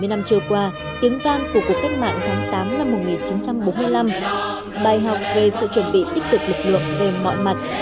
bảy mươi năm trôi qua tiếng vang của cuộc cách mạng tháng tám năm một nghìn chín trăm bốn mươi năm bài học về sự chuẩn bị tích cực lực lượng về mọi mặt